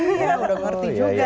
iya udah ngerti juga